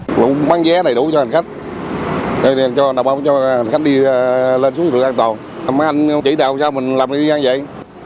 mình cũng mang vé đầy đủ cho hành khách đồng hồn cho hành khách đi lên xuống vực an toàn mấy anh chỉ đào sao mình làm như vậy